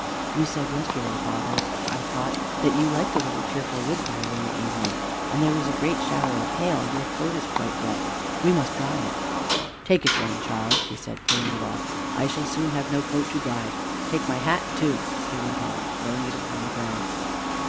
"You said yesterday, father, I thought, that you liked a little cheerful wood fire in the evening, and there was a great shower of hail. Your coat is quite wet. We must dry it." "Take it, then, child," he said, pulling it off, "I shall soon have no coat to dry. Take my hat, too," he went on, throwing it upon the ground.